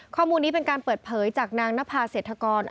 ข้อมูลนี้เป็นการเปิดเผยจากนางนภาเศรษฐกร